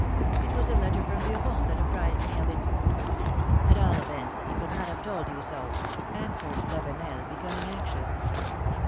It was a letter from Beuron that apprised me of it.'^ ^^At all events, he could not have told you so ! answered Lavenel, becoming anxious.